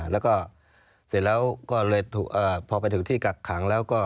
แล้วก็เสร็จแล้วก็เลยพอไปถึงที่กักขังแล้วก็